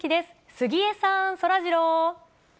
杉江さん、そらジロー。